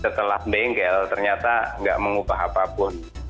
setelah bengkel ternyata nggak mengubah apapun